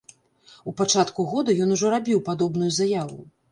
У пачатку года ён ужо рабіў падобную заяву.